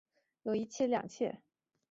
有一妻两妾。